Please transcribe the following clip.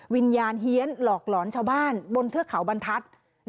วิญญาณเฮียนหลอกหลอนชาวบ้านบนเทือกเขาบรรทัศน์